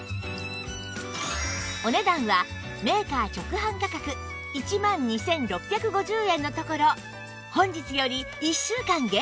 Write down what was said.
お値段はメーカー直販価格１万２６５０円のところ本日より１週間限定